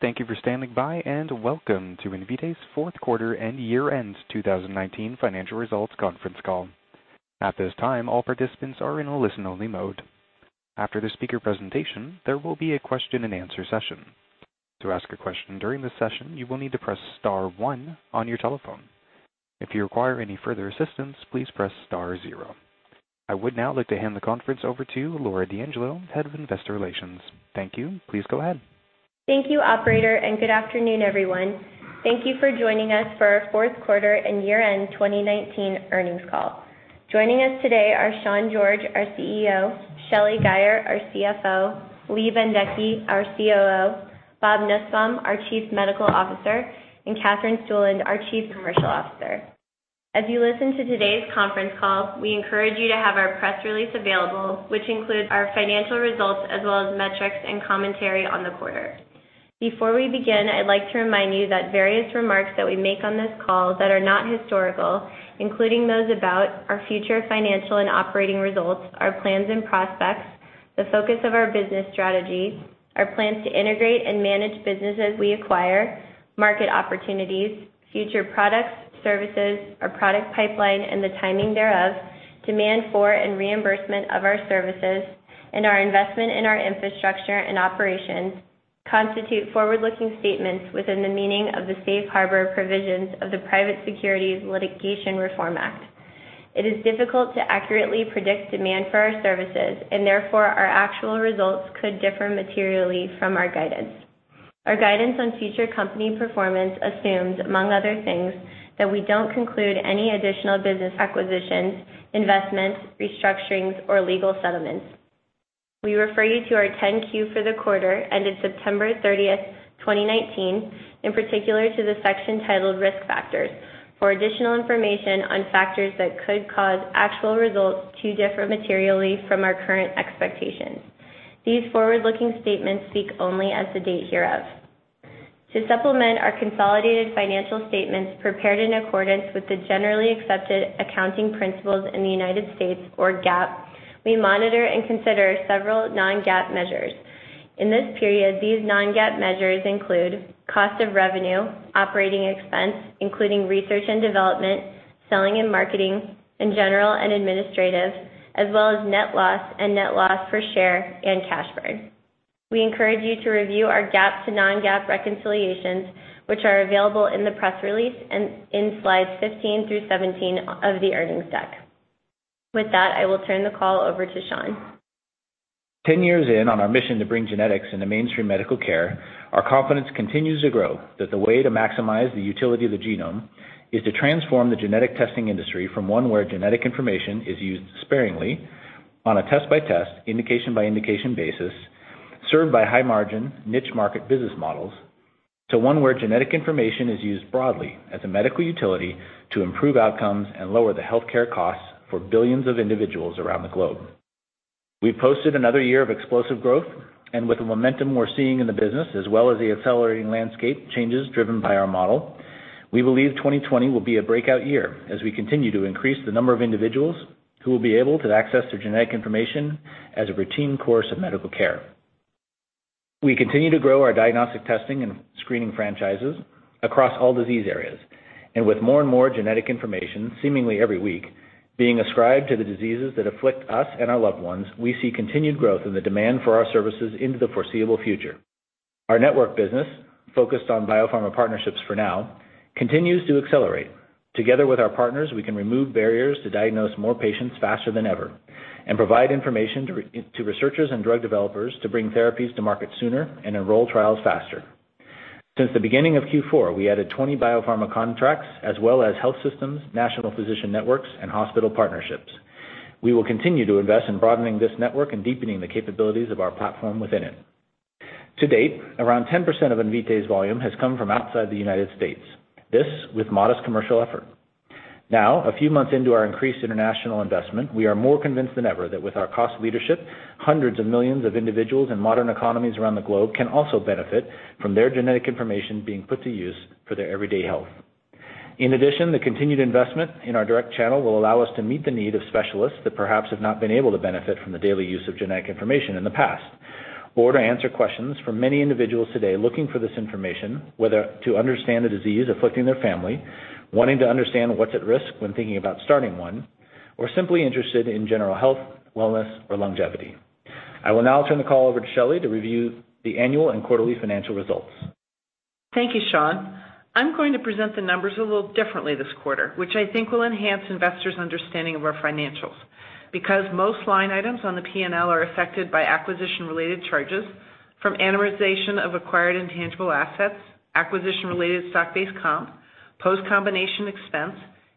Thank you for standing by, and welcome to Invitae's fourth quarter and year-end 2019 financial results conference call. At this time, all participants are in a listen-only mode. After the speaker presentation, there will be a question and answer session. To ask a question during the session, you will need to press star one on your telephone. If you require any further assistance, please press star zero. I would now like to hand the conference over to Laura D'Angelo, Head of Investor Relations. Thank you. Please go ahead. Thank you operator. Good afternoon, everyone. Thank you for joining us for our fourth quarter and year-end 2019 earnings call. Joining us today are Sean George, our CEO, Shelly Guyer, our CFO, Lee Bendekgey, our COO, Robert Nussbaum, our Chief Medical Officer, and Katherine Stueland, our Chief Commercial Officer. As you listen to today's conference call, we encourage you to have our press release available, which includes our financial results as well as metrics and commentary on the quarter. Before we begin, I'd like to remind you that various remarks that we make on this call that are not historical, including those about our future financial and operating results, our plans and prospects, the focus of our business strategy, our plans to integrate and manage businesses we acquire, market opportunities, future products, services, our product pipeline, and the timing thereof, demand for and reimbursement of our services, and our investment in our infrastructure and operations, constitute forward-looking statements within the meaning of the safe harbor provisions of the Private Securities Litigation Reform Act. It is difficult to accurately predict demand for our services, therefore, our actual results could differ materially from our guidance. Our guidance on future company performance assumes, among other things, that we don't conclude any additional business acquisitions, investments, restructurings, or legal settlements. We refer you to our 10-Q for the quarter ended September 30th, 2019, in particular to the section titled Risk Factors for additional information on factors that could cause actual results to differ materially from our current expectations. These forward-looking statements speak only as the date hereof. To supplement our consolidated financial statements prepared in accordance with the generally accepted accounting principles in the United States, or GAAP, we monitor and consider several non-GAAP measures. In this period, these non-GAAP measures include cost of revenue, operating expense, including research and development, selling and marketing, and general and administrative, as well as net loss and net loss per share and cash burn. We encourage you to review our GAAP to non-GAAP reconciliations, which are available in the press release and in slides 15 through 17 of the earnings deck. With that, I will turn the call over to Sean. 10 years in on our mission to bring genetics into mainstream medical care, our confidence continues to grow that the way to maximize the utility of the genome is to transform the genetic testing industry from one where genetic information is used sparingly on a test-by-test, indication-by-indication basis, served by high margin, niche market business models, to one where genetic information is used broadly as a medical utility to improve outcomes and lower the healthcare costs for billions of individuals around the globe. We've posted another year of explosive growth. With the momentum we're seeing in the business, as well as the accelerating landscape changes driven by our model, we believe 2020 will be a breakout year as we continue to increase the number of individuals who will be able to access their genetic information as a routine course of medical care. We continue to grow our diagnostic testing and screening franchises across all disease areas, and with more and more genetic information, seemingly every week, being ascribed to the diseases that afflict us and our loved ones, we see continued growth in the demand for our services into the foreseeable future. Our network business, focused on biopharma partnerships for now, continues to accelerate. Together with our partners, we can remove barriers to diagnose more patients faster than ever and provide information to researchers and drug developers to bring therapies to market sooner and enroll trials faster. Since the beginning of Q4, we added 20 biopharma contracts as well as health systems, national physician networks, and hospital partnerships. We will continue to invest in broadening this network and deepening the capabilities of our platform within it. To-date, around 10% of Invitae's volume has come from outside the U.S. This, with modest commercial effort. Now, a few months into our increased international investment, we are more convinced than ever that with our cost leadership, hundreds of millions of individuals in modern economies around the globe can also benefit from their genetic information being put to use for their everyday health. In addition, the continued investment in our direct channel will allow us to meet the need of specialists that perhaps have not been able to benefit from the daily use of genetic information in the past, or to answer questions from many individuals today looking for this information, whether to understand the disease afflicting their family, wanting to understand what's at risk when thinking about starting one, or simply interested in general health, wellness, or longevity. I will now turn the call over to Shelly to review the annual and quarterly financial results. Thank you, Sean. I'm going to present the numbers a little differently this quarter, which I think will enhance investors' understanding of our financials. Because most line items on the P&L are affected by acquisition-related charges from amortization of acquired intangible assets, acquisition-related stock-based comp, post-combination expense,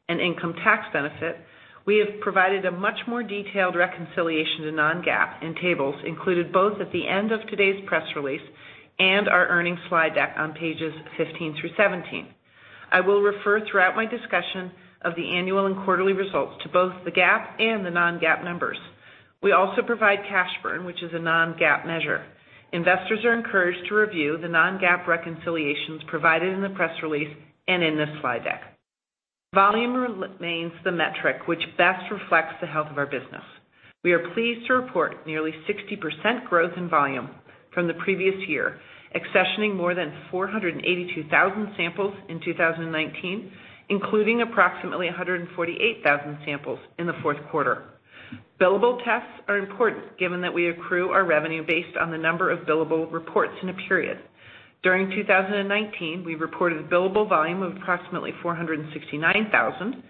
and income tax benefit, we have provided a much more detailed reconciliation to non-GAAP in tables included both at the end of today's press release and our earnings slide deck on pages 15 through 17. I will refer throughout my discussion of the annual and quarterly results to both the GAAP and the non-GAAP numbers. We also provide cash burn, which is a non-GAAP measure. Investors are encouraged to review the non-GAAP reconciliations provided in the press release and in this slide deck. Volume remains the metric which best reflects the health of our business. We are pleased to report nearly 60% growth in volume from the previous year, accessioning more than 482,000 samples in 2019, including approximately 148,000 samples in the fourth quarter. Billable tests are important given that we accrue our revenue based on the number of billable reports in a period. During 2019, we reported billable volume of approximately 469,000,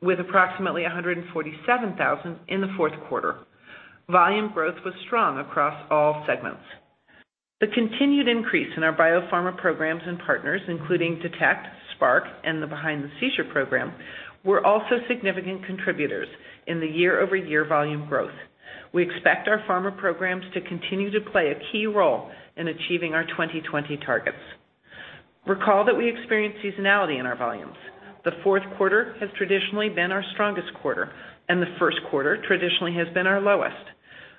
with approximately 147,000 in the fourth quarter. Volume growth was strong across all segments. The continued increase in our biopharma programs and partners, including Detect, Spark, and the Behind the Seizure program, were also significant contributors in the year-over-year volume growth. We expect our pharma programs to continue to play a key role in achieving our 2020 targets. Recall that we experience seasonality in our volumes. The fourth quarter has traditionally been our strongest quarter. The first quarter traditionally has been our lowest.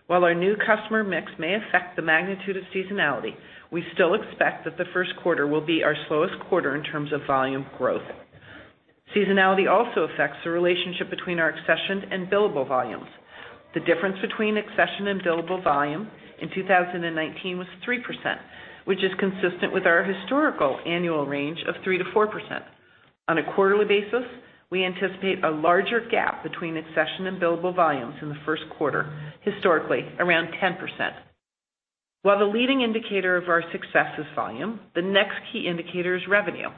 While our new customer mix may affect the magnitude of seasonality, we still expect that the first quarter will be our slowest quarter in terms of volume growth. Seasonality also affects the relationship between our accessioned and billable volumes. The difference between accession and billable volume in 2019 was 3%, which is consistent with our historical annual range of 3%-4%. On a quarterly basis, we anticipate a larger gap between accession and billable volumes in the first quarter, historically, around 10%. While the leading indicator of our success is volume, the next key indicator is revenue.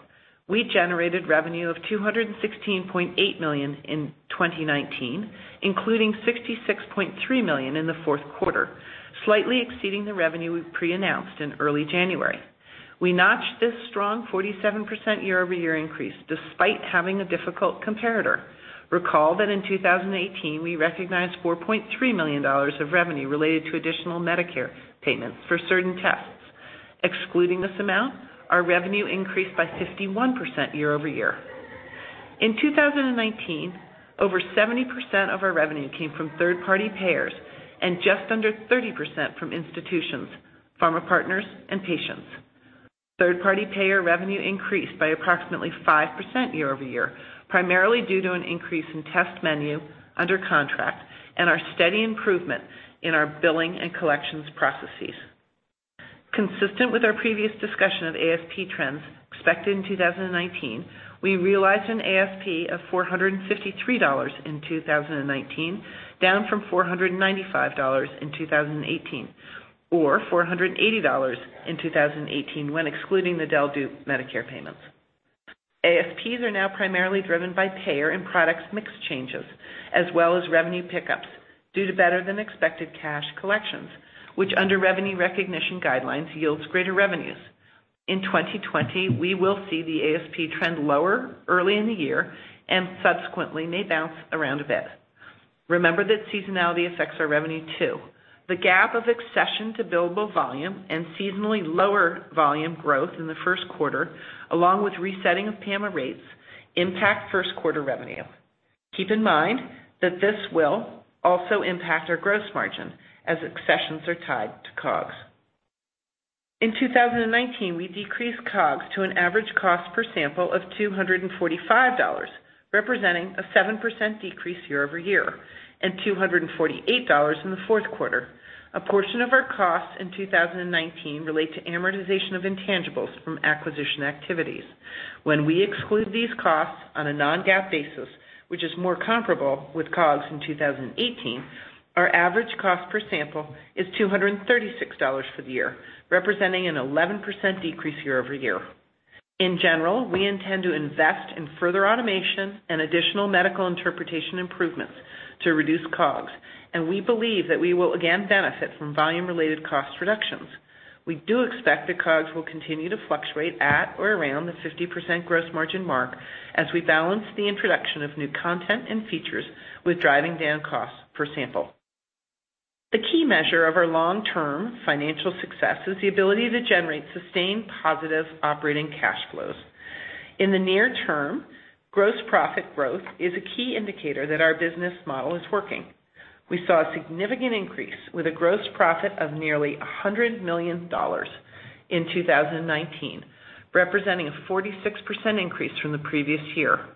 We generated revenue of $216.8 million in 2019, including $66.3 million in the fourth quarter, slightly exceeding the revenue we pre-announced in early January. We notched this strong 47% year-over-year increase despite having a difficult comparator. Recall that in 2018, we recognized $4.3 million of revenue related to additional Medicare payments for certain tests. Excluding this amount, our revenue increased by 51% year-over-year. In 2019, over 70% of our revenue came from third-party payers and just under 30% from institutions, pharma partners, and patients. Third-party payer revenue increased by approximately 5% year-over-year, primarily due to an increase in test menu under contract and our steady improvement in our billing and collections processes. Consistent with our previous discussion of ASP trends expected in 2019, we realized an ASP of $453 in 2019, down from $495 in 2018, or $480 in 2018 when excluding the Del/Du Medicare payments. ASPs are now primarily driven by payer and products mix changes, as well as revenue pickups due to better-than-expected cash collections, which under revenue recognition guidelines yields greater revenues. In 2020, we will see the ASP trend lower early in the year and subsequently may bounce around a bit. Remember that seasonality affects our revenue too. The gap of accession to billable volume and seasonally lower volume growth in the first quarter, along with resetting of PAMA rates, impact first quarter revenue. Keep in mind that this will also impact our gross margin as accessions are tied to COGS. In 2019, we decreased COGS to an average cost per sample of $245, representing a 7% decrease year-over-year, and $248 in the fourth quarter. A portion of our costs in 2019 relate to amortization of intangibles from acquisition activities. When we exclude these costs on a non-GAAP basis, which is more comparable with COGS in 2018, our average cost per sample is $236 for the year, representing an 11% decrease year-over-year. In general, we intend to invest in further automation and additional medical interpretation improvements to reduce COGS, and we believe that we will again benefit from volume-related cost reductions. We do expect that COGS will continue to fluctuate at or around the 50% gross margin mark as we balance the introduction of new content and features with driving down costs per sample. The key measure of our long-term financial success is the ability to generate sustained positive operating cash flows. In the near term, gross profit growth is a key indicator that our business model is working. We saw a significant increase with a gross profit of nearly $100 million in 2019, representing a 46% increase from the previous year.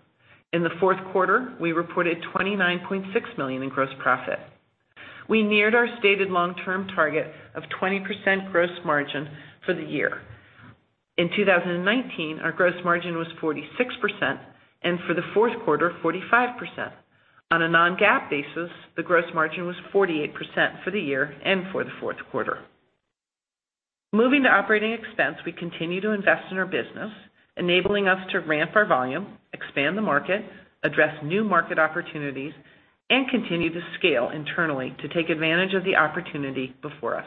In the fourth quarter, we reported $29.6 million in gross profit. We neared our stated long-term target of 20% gross margin for the year. In 2019, our gross margin was 46%, and for the fourth quarter, 45%. On a non-GAAP basis, the gross margin was 48% for the year and for the fourth quarter. Moving to operating expense, we continue to invest in our business, enabling us to ramp our volume, expand the market, address new market opportunities, and continue to scale internally to take advantage of the opportunity before us.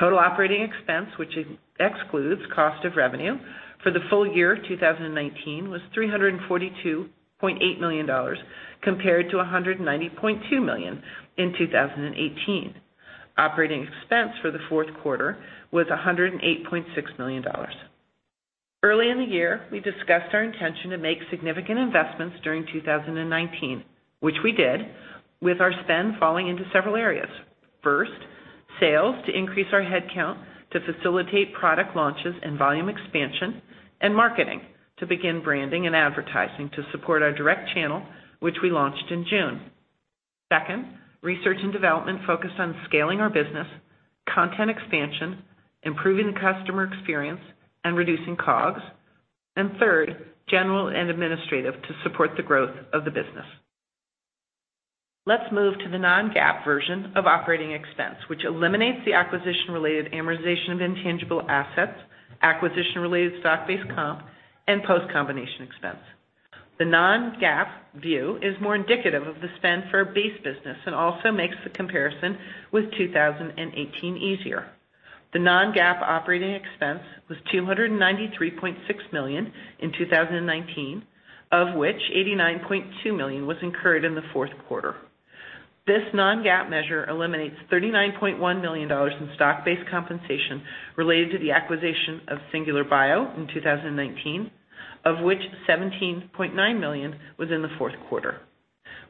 Total operating expense, which excludes cost of revenue, for the full year 2019 was $342.8 million, compared to $190.2 million in 2018. Operating expense for the fourth quarter was $108.6 million. Early in the year, we discussed our intention to make significant investments during 2019, which we did, with our spend falling into several areas. First, sales, to increase our headcount to facilitate product launches and volume expansion. Marketing, to begin branding and advertising to support our direct channel, which we launched in June. Second, research and development focused on scaling our business, content expansion, improving the customer experience, and reducing COGS. Third, general and administrative to support the growth of the business. Let's move to the non-GAAP version of operating expense, which eliminates the acquisition-related amortization of intangible assets, acquisition-related stock-based comp, and post-combination expense. The non-GAAP view is more indicative of the spend for our base business and also makes the comparison with 2018 easier. The non-GAAP operating expense was $293.6 million in 2019, of which $89.2 million was incurred in the fourth quarter. This non-GAAP measure eliminates $39.1 million in stock-based compensation related to the acquisition of Singular Bio in 2019, of which $17.9 million was in the fourth quarter.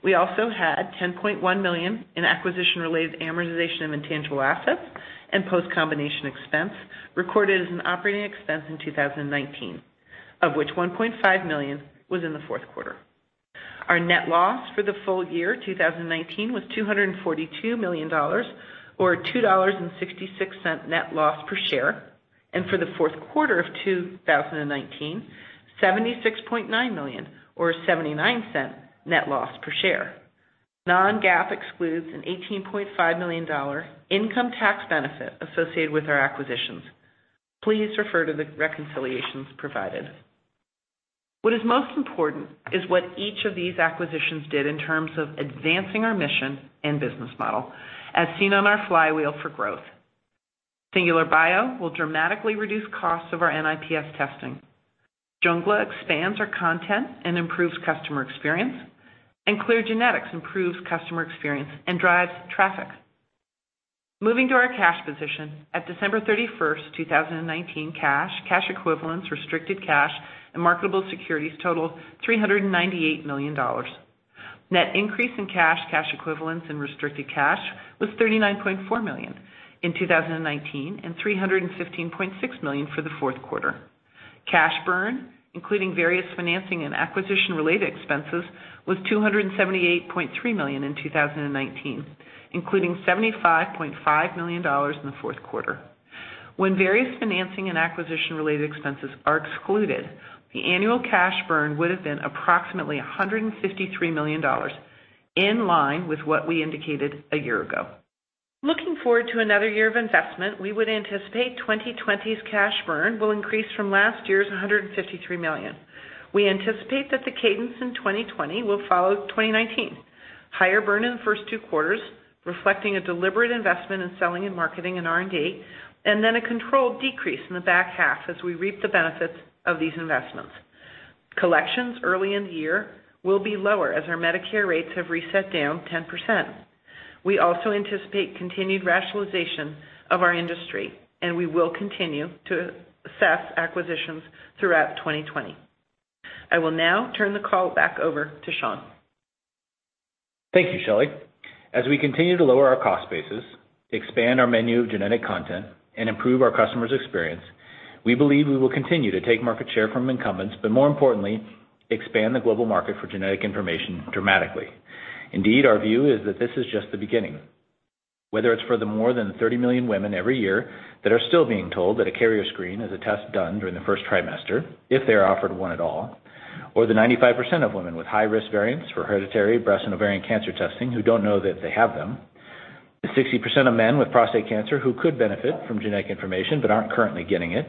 We also had $10.1 million in acquisition-related amortization of intangible assets and post-combination expense recorded as an operating expense in 2019, of which $1.5 million was in the fourth quarter. Our net loss for the full year 2019 was $242 million, or $2.66 net loss per share, and for the fourth quarter of 2019, $76.9 million or $0.79 net loss per share. Non-GAAP excludes an $18.5 million income tax benefit associated with our acquisitions. Please refer to the reconciliations provided. What is most important is what each of these acquisitions did in terms of advancing our mission and business model, as seen on our flywheel for growth. Singular Bio will dramatically reduce costs of our NIPS testing. Jungla expands our content and improves customer experience, and Clear Genetics improves customer experience and drives traffic. Moving to our cash position. At December 31st, 2019, cash equivalents, restricted cash, and marketable securities totaled $398 million. Net increase in cash equivalents, and restricted cash was $39.4 million in 2019 and $315.6 million for the fourth quarter. Cash burn, including various financing and acquisition-related expenses, was $278.3 million in 2019, including $75.5 million in the fourth quarter. When various financing and acquisition-related expenses are excluded, the annual cash burn would've been approximately $153 million, in line with what we indicated a year ago. Looking forward to another year of investment, we would anticipate 2020's cash burn will increase from last year's $153 million. We anticipate that the cadence in 2020 will follow 2019: higher burn in the first 2 quarters, reflecting a deliberate investment in selling and marketing and R&D, and then a controlled decrease in the back half as we reap the benefits of these investments. Collections early in the year will be lower as our Medicare rates have reset down 10%. We also anticipate continued rationalization of our industry, and we will continue to assess acquisitions throughout 2020. I will now turn the call back over to Sean. Thank you, Shelly. As we continue to lower our cost bases, expand our menu of genetic content, and improve our customer's experience, we believe we will continue to take market share from incumbents, but more importantly, expand the global market for genetic information dramatically. Indeed, our view is that this is just the beginning. Whether it's for the more than 30 million women every year that are still being told that a carrier screen is a test done during the first trimester, if they're offered one at all, or the 95% of women with high-risk variants for hereditary breast and ovarian cancer testing who don't know that they have them, the 60% of men with prostate cancer who could benefit from genetic information but aren't currently getting it,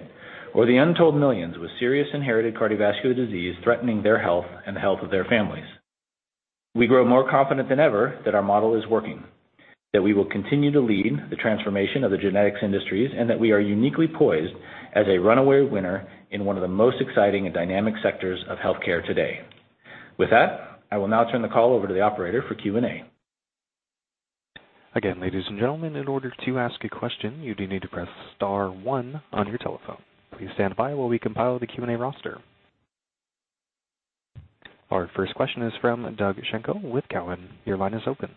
or the untold millions with serious inherited cardiovascular disease threatening their health and the health of their families. We grow more confident than ever that our model is working, that we will continue to lead the transformation of the genetics industries, and that we are uniquely poised as a runaway winner in one of the most exciting and dynamic sectors of healthcare today. With that, I will now turn the call over to the operator for Q&A. Again, ladies and gentlemen, in order to ask a question, you do need to press star one on your telephone. Please stand by while we compile the Q&A roster. Our first question is from Doug Schenkel with Cowen. Your line is open.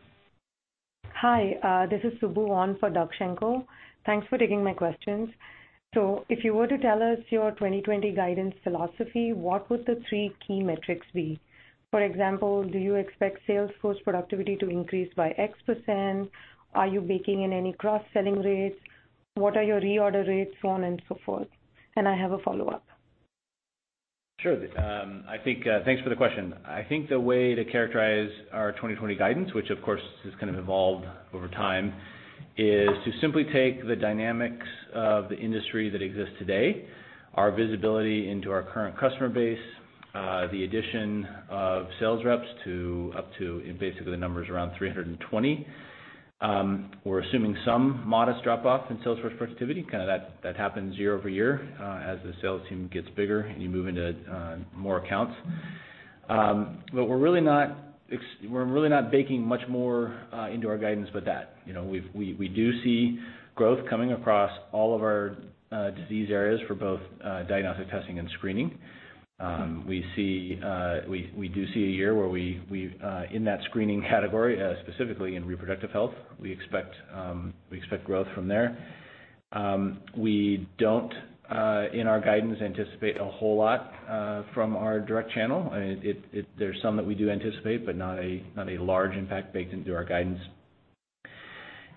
Hi. This is Subbu on for Doug Schenkel. Thanks for taking my questions. If you were to tell us your 2020 guidance philosophy, what would the three key metrics be? For example, do you expect sales force productivity to increase by X%? Are you baking in any cross-selling rates? What are your reorder rates, so on and so forth? I have a follow-up. Sure. Thanks for the question. I think the way to characterize our 2020 guidance, which of course has kind of evolved over time, is to simply take the dynamics of the industry that exists today, our visibility into our current customer base, the addition of sales reps to up to, basically, the number's around 320. We're assuming some modest drop off in sales force productivity, kind of that happens year-over-year, as the sales team gets bigger and you move into more accounts. We're really not baking much more into our guidance but that. We do see growth coming across all of our disease areas for both diagnostic testing and screening. We do see a year where in that screening category, specifically in reproductive health, we expect growth from there. We don't, in our guidance, anticipate a whole lot from our direct channel. There's some that we do anticipate, but not a large impact baked into our guidance.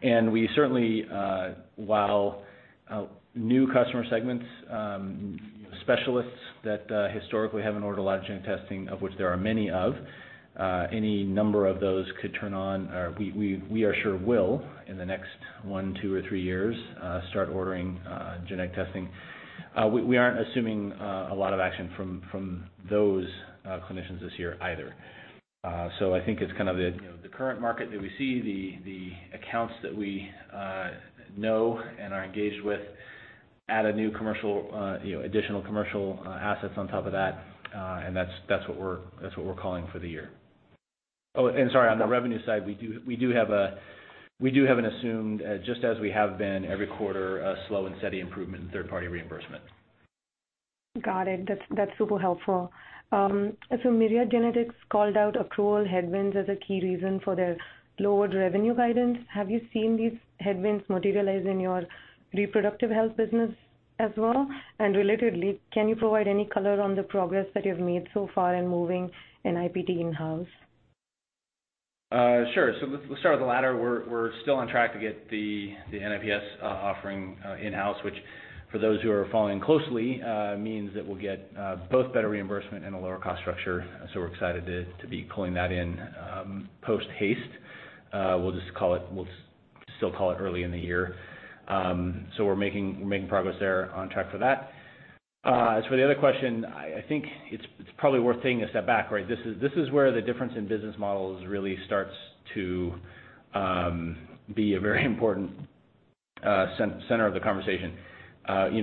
We certainly, while new customer segments, specialists that historically haven't ordered a lot of genetic testing, of which there are many of, any number of those could turn on, or we are sure will, in the next one, two or three years, start ordering genetic testing. We aren't assuming a lot of action from those clinicians this year either. I think it's kind of the current market that we see, the accounts that we know and are engaged with, add additional commercial assets on top of that, and that's what we're calling for the year. Oh, and sorry, on the revenue side, we do have an assumed, just as we have been every quarter, a slow and steady improvement in third-party reimbursement. Got it. That's super helpful. Myriad Genetics called out accrual headwinds as a key reason for their lowered revenue guidance. Have you seen these headwinds materialize in your reproductive health business as well? Relatedly, can you provide any color on the progress that you've made so far in moving NIPT in-house? Sure. Let's start with the latter. We're still on track to get the NIPS offering in-house, which for those who are following closely, means that we'll get both better reimbursement and a lower cost structure. We're excited to be pulling that in post haste. We'll still call it early in the year. We're making progress there, on track for that. As for the other question, I think it's probably worth taking a step back, right? This is where the difference in business models really starts to be a very important center of the conversation.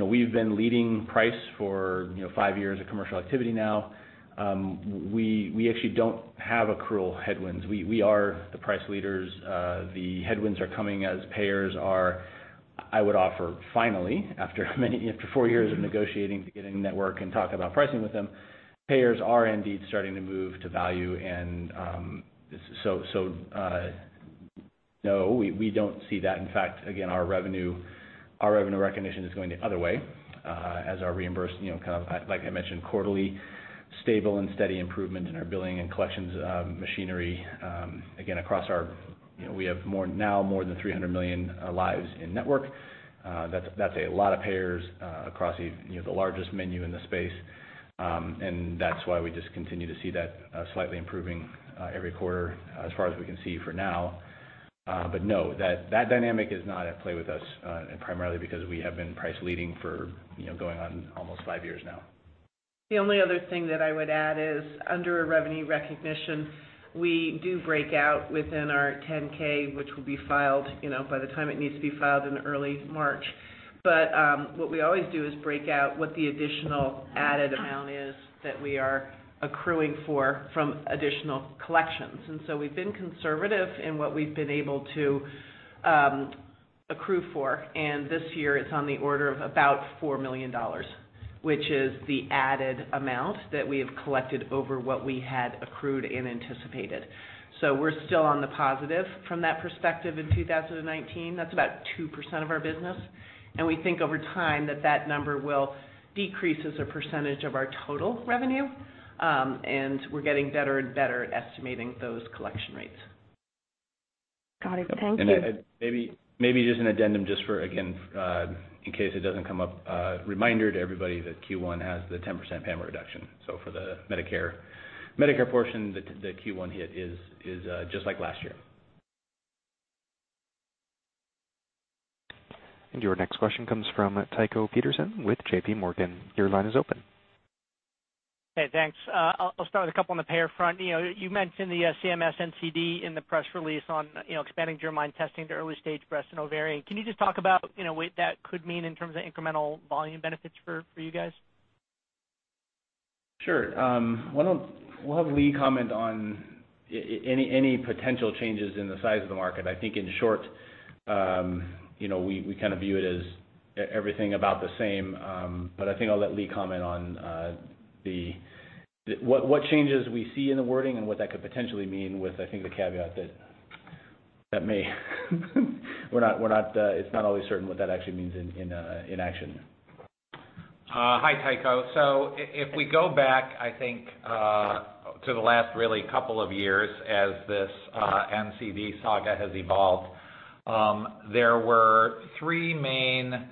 We've been leading price for five years of commercial activity now. We actually don't have accrual headwinds. We are the price leaders. The headwinds are coming as payers are, I would offer finally, after 4 years of negotiating to get in-network and talk about pricing with them, payers are indeed starting to move to value. No, we don't see that. In fact, again, our revenue recognition is going the other way, as our reimbursed, like I mentioned, quarterly, stable and steady improvement in our billing and collections machinery. Again, we have now more than 300 million lives in-network. That's a lot of payers across the largest menu in the space. That's why we just continue to see that slightly improving every quarter as far as we can see for now. No, that dynamic is not at play with us, primarily because we have been price leading for going on almost five years now. The only other thing that I would add is, under revenue recognition, we do break out within our 10-K, which will be filed by the time it needs to be filed in early March. What we always do is break out what the additional added amount is that we are accruing for from additional collections. We've been conservative in what we've been able to accrue for. This year it's on the order of about $4 million, which is the added amount that we have collected over what we had accrued and anticipated. We're still on the positive from that perspective in 2019. That's about 2% of our business. We think over time that that number will decrease as a percentage of our total revenue. We're getting better and better at estimating those collection rates. Got it. Thank you. Maybe just an addendum just for, again, in case it doesn't come up, a reminder to everybody that Q1 has the 10% payment reduction. For the Medicare portion, the Q1 hit is just like last year. Your next question comes from Tycho Peterson with JPMorgan. Your line is open. Hey, thanks. I'll start with a couple on the payer front. You mentioned the CMS NCD in the press release on expanding germline testing to early-stage breast and ovarian. Can you just talk about what that could mean in terms of incremental volume benefits for you guys? Sure. We'll have Lee comment on any potential changes in the size of the market. I think in short, we kind of view it as everything about the same. I think I'll let Lee comment on what changes we see in the wording and what that could potentially mean with, I think, the caveat that it's not always certain what that actually means in action. Hi, Tycho. If we go back, I think to the last really couple of years as this NCD saga has evolved, there were three main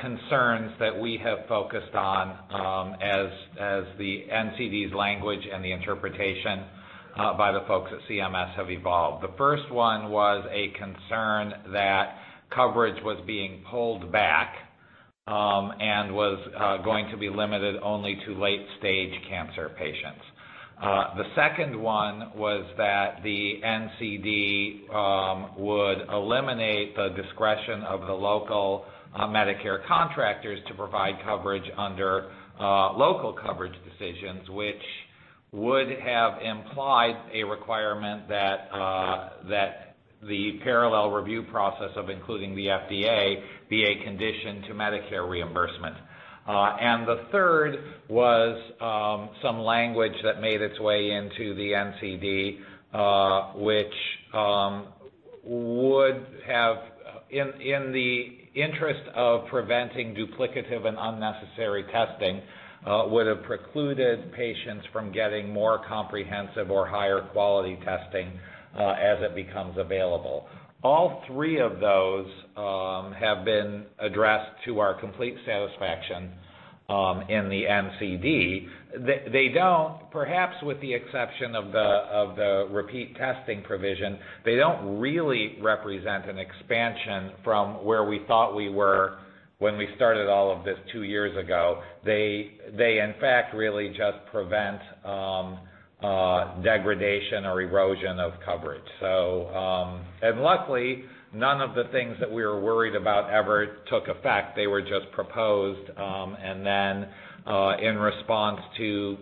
concerns that we have focused on as the NCD's language and the interpretation by the folks at CMS have evolved. The first one was a concern that coverage was being pulled back, and was going to be limited only to late-stage cancer patients. The second one was that the NCD would eliminate the discretion of the local Medicare contractors to provide coverage under local coverage decisions, which would have implied a requirement that the parallel review process of including the FDA be a condition to Medicare reimbursement. The third was some language that made its way into the NCD, which in the interest of preventing duplicative and unnecessary testing, would have precluded patients from getting more comprehensive or higher quality testing as it becomes available. All three of those have been addressed to our complete satisfaction in the NCD. Perhaps with the exception of the repeat testing provision, they don't really represent an expansion from where we thought we were when we started all of this two years ago. They, in fact, really just prevent degradation or erosion of coverage. Luckily, none of the things that we were worried about ever took effect. They were just proposed. Then, in response to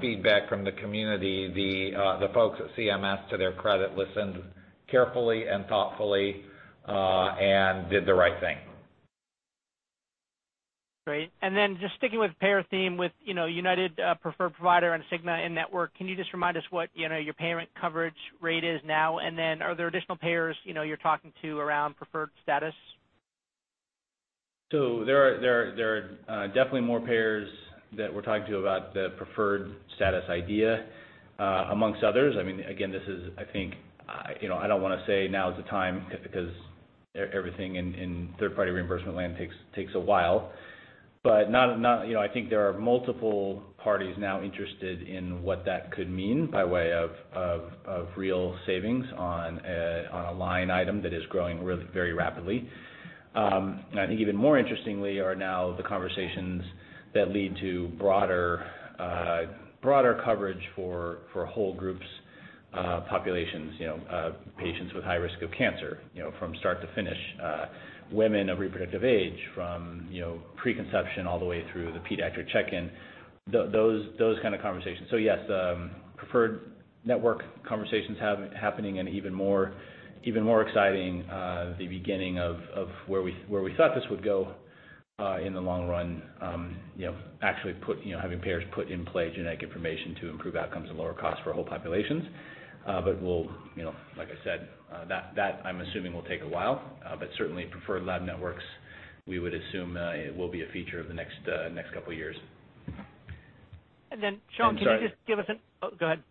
feedback from the community, the folks at CMS, to their credit, listened carefully and thoughtfully, and did the right thing. Great. Just sticking with payer theme with United preferred provider and Cigna in-network, can you just remind us what your payment coverage rate is now? Are there additional payers you're talking to around preferred status? There are definitely more payers that we're talking to about the preferred status idea. Amongst others, again, I don't want to say now is the time, because everything in third-party reimbursement land takes a while. I think there are multiple parties now interested in what that could mean by way of real savings on a line item that is growing very rapidly. I think even more interestingly are now the conversations that lead to broader coverage for whole groups populations, patients with high risk of cancer from start to finish, women of reproductive age from preconception all the way through the pediatric check-in, those kind of conversations. Yes, preferred network conversations happening and even more exciting, the beginning of where we thought this would go, in the long run, actually having payers put in play genetic information to improve outcomes and lower costs for whole populations. Like I said, that I'm assuming will take a while. Certainly preferred lab networks, we would assume will be a feature of the next couple of years. And then Sean- I'm sorry. Oh, go ahead.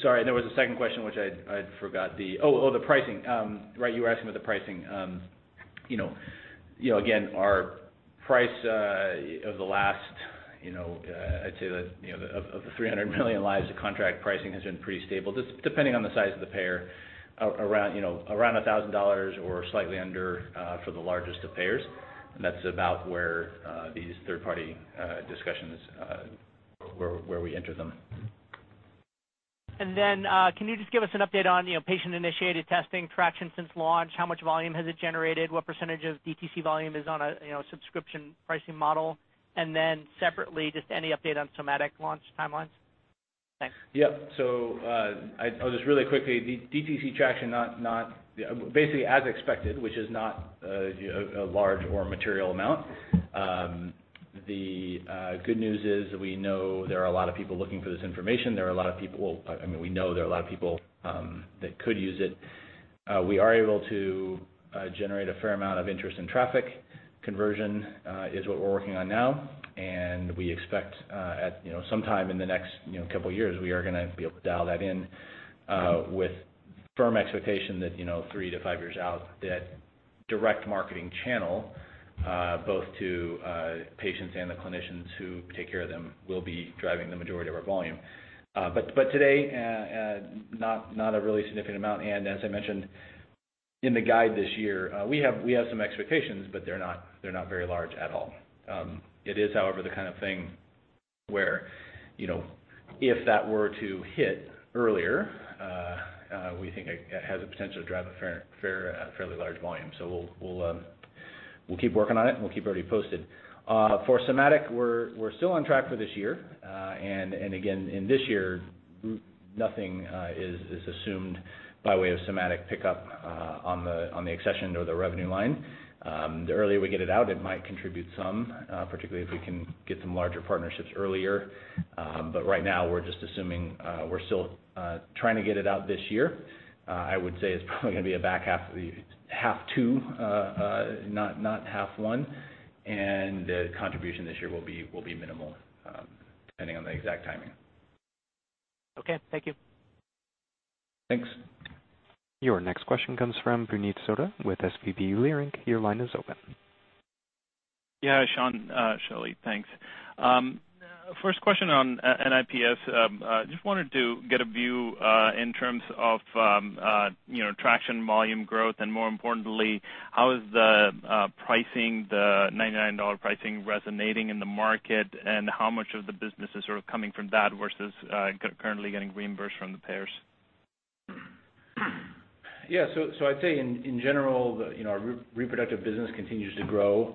Sorry, there was a second question which I'd forgot. Oh, the pricing. Right. You were asking about the pricing. Our price of the last, I'd say of the 300 million lives, the contract pricing has been pretty stable, depending on the size of the payer, around $1,000 or slightly under, for the largest of payers. That's about where these third party discussions, where we enter them. Can you just give us an update on patient-initiated testing traction since launch? How much volume has it generated? What percentage of DTC volume is on a subscription pricing model? Separately, just any update on Somatic launch timelines? Thanks. Yep. I'll just really quickly, DTC traction, basically as expected, which is not a large or material amount. The good news is we know there are a lot of people looking for this information. We know there are a lot of people that could use it. We are able to generate a fair amount of interest in traffic. Conversion is what we're working on now, and we expect at sometime in the next couple of years, we are going to be able to dial that in, with firm expectation that 3-5 years out, that direct marketing channel, both to patients and the clinicians who take care of them, will be driving the majority of our volume. Today, not a really significant amount. As I mentioned in the guide this year, we have some expectations, but they're not very large at all. It is, however, the kind of thing where if that were to hit earlier, we think it has the potential to drive a fairly large volume. We'll keep working on it and we'll keep everybody posted. For Somatic, we're still on track for this year. Again, in this year, nothing is assumed by way of Somatic pickup on the accession or the revenue line. The earlier we get it out, it might contribute some, particularly if we can get some larger partnerships earlier. Right now, we're just assuming, we're still trying to get it out this year. I would say it's probably going to be a back half 2, not half 1, and the contribution this year will be minimal, depending on the exact timing. Okay. Thank you. Thanks. Your next question comes from Puneet Souda with SVB Leerink. Your line is open. Yeah, Sean, Shelly. Thanks. First question on NIPS. Just wanted to get a view in terms of traction, volume growth, and more importantly, how is the $99 pricing resonating in the market, and how much of the business is sort of coming from that versus currently getting reimbursed from the payers? I'd say in general, our reproductive business continues to grow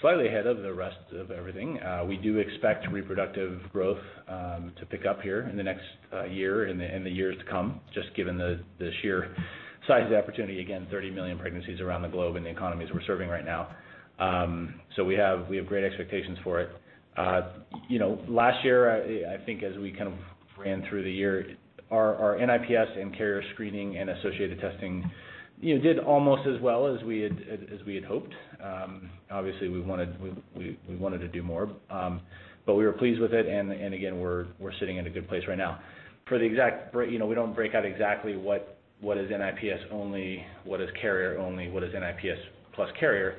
slightly ahead of the rest of everything. We do expect reproductive growth to pick up here in the next year and the years to come, just given the sheer size of the opportunity. Again, 30 million pregnancies around the globe in the economies we're serving right now. We have great expectations for it. Last year, I think as we kind of ran through the year, our NIPS and carrier screening and associated testing, did almost as well as we had hoped. Obviously, we wanted to do more. We were pleased with it, and again, we're sitting in a good place right now. We don't break out exactly what is NIPS only, what is carrier only, what is NIPS plus carrier.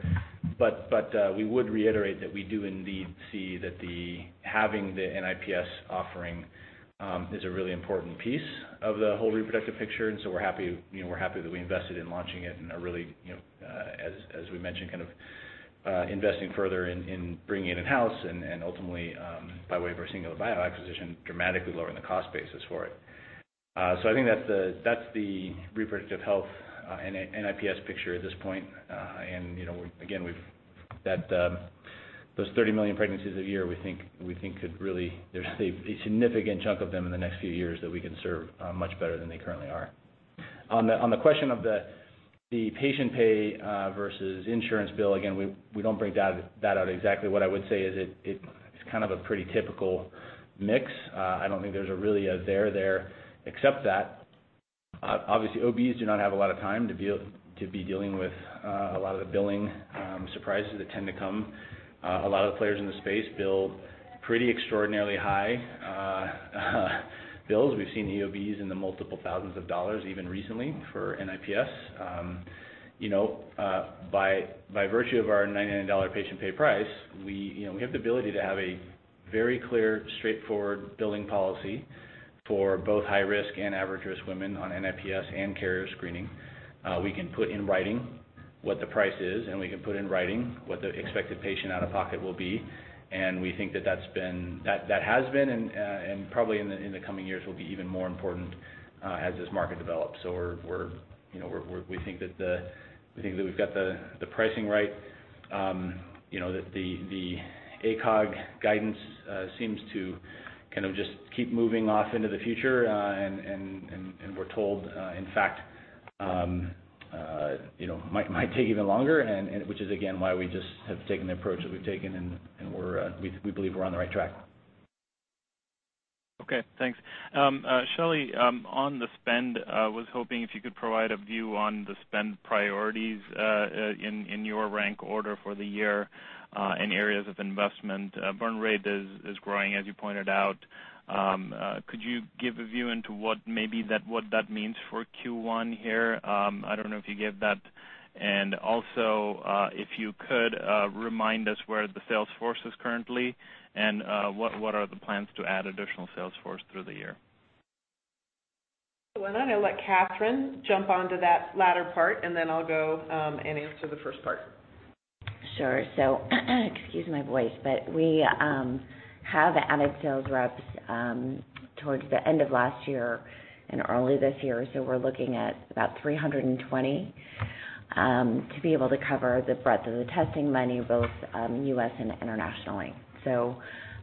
We would reiterate that we do indeed see that having the NIPS offering is a really important piece of the whole reproductive picture, and so we're happy that we invested in launching it and are really, as we mentioned, kind of investing further in bringing it in-house and ultimately, by way of our Singular Bio acquisition, dramatically lowering the cost basis for it. I think that's the reproductive health NIPS picture at this point. Again, those 30 million pregnancies a year, we think there's a significant chunk of them in the next few years that we can serve much better than they currently are. On the question of the patient pay versus insurance bill, again, we don't break that out exactly. What I would say is it's kind of a pretty typical mix. I don't think there's really a there there, except that obviously, OBs do not have a lot of time to be dealing with a lot of the billing surprises that tend to come. A lot of the players in the space bill pretty extraordinarily high bills. We've seen EOBs in the multiple thousands of dollars even recently for NIPS. By virtue of our $99 patient pay price, we have the ability to have a very clear, straightforward billing policy for both high-risk and average-risk women on NIPS and carrier screening. We can put in writing what the price is, and we can put in writing what the expected patient out-of-pocket will be, and we think that that has been and probably in the coming years will be even more important as this market develops. We think that we've got the pricing right. The ACOG guidance seems to kind of just keep moving off into the future, and we're told, in fact, it might take even longer, which is, again, why we just have taken the approach that we've taken, and we believe we're on the right track. Okay, thanks. Shelly, on the spend, I was hoping if you could provide a view on the spend priorities in your rank order for the year in areas of investment. Burn rate is growing, as you pointed out. Could you give a view into what maybe that means for Q1 here? I don't know if you gave that. Also, if you could remind us where the sales force is currently and what are the plans to add additional sales force through the year? Why don't I let Katherine jump onto that latter part, and then I'll go and answer the first part. Sure. Excuse my voice, but we have added sales reps towards the end of last year and early this year, we're looking at about 320 to be able to cover the breadth of the testing menu, both U.S. and internationally.